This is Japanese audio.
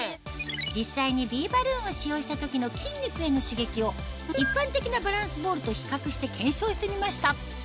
実際にビーバルーンを使用した時の筋肉への刺激を一般的なバランスボールと比較して検証してみました